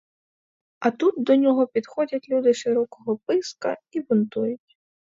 А тут до нього підходять люди широкого писка і бунтують.